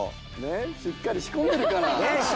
しっかり仕込んでるから。